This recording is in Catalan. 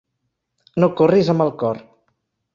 No corris amb el cor.